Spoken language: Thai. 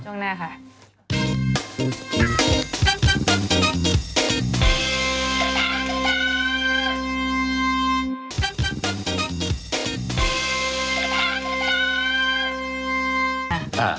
ช่วงหน้าค่ะ